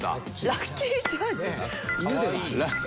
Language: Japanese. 「ラッキーチャージ」。